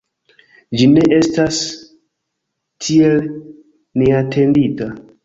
Ĝi ne estas tiel neatendita.